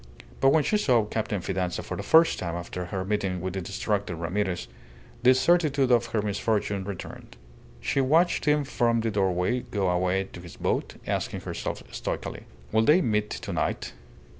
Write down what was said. But when she saw Captain Fidanza for the first time after her meeting with the distracted Ramirez, the certitude of her misfortune returned. She watched him from the doorway go away to his boat, asking herself stoically, "Will they meet to night?"